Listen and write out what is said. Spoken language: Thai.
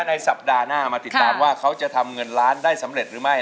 ในสัปดาห์หน้ามาติดตามว่าเขาจะทำเงินล้านได้สำเร็จหรือไม่